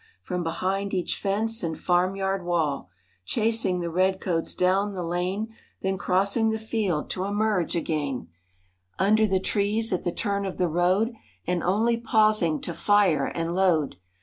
From behind each fence and farmyard wall; Chasing the redcoats down the lane. Then crossing the field to emerge again PAUL REVERE. 97 Under the trees at the turn of the road, And only pausing to fire anr1 load.